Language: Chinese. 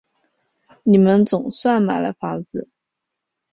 你们总算买了房子